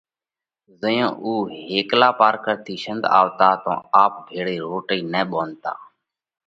اُو زئيون هيڪلا پارڪر ٿِي شنڌ آوَتا تو آپ ڀيۯئِي روٽئِي نہ ٻونڌتا۔